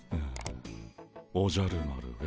「おじゃる丸へ」